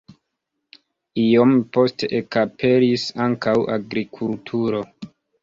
Iom poste ekaperis ankaŭ agrikulturo.